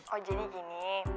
oh jadi gini